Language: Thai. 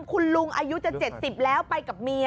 คุณลุงอายุจะ๗๐แล้วไปกับเมีย